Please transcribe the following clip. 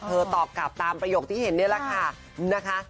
ตอบกลับตามประโยคที่เห็นนี่แหละค่ะนะคะ